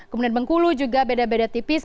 kemudian bengkulu juga beda beda tipis